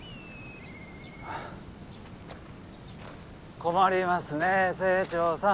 困りますねえ清張さん。